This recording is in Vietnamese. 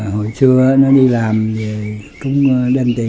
hồi trưa nó đi làm cũng đơn tiền